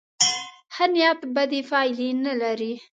ښه نیت بدې پایلې نه لري.